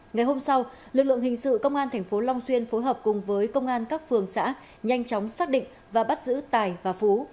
ngày hôm sau lực lượng hình sự công an tp long xuyên phối hợp cùng với công an các phường xã nhanh chóng xác định và bắt giữ tài và phú